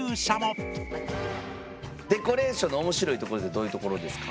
デコレーションの面白いところってどういうところですか。